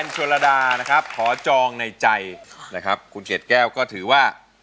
โชลดานะครับขอจองในใจนะครับคุณเกดแก้วก็ถือว่า